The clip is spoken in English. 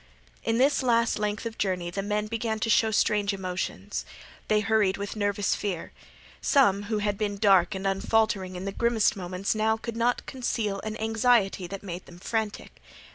In this last length of journey the men began to show strange emotions. They hurried with nervous fear. Some who had been dark and unfaltering in the grimmest moments now could not conceal an anxiety that made them frantic.